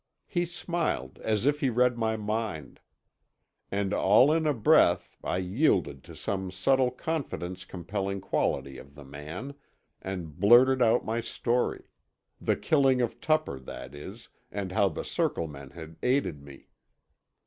He smiled, as if he read my mind. And all in a breath I yielded to some subtle confidence compelling quality of the man, and blurted out my story; the killing of Tupper, that is, and how the Circle men had aided me.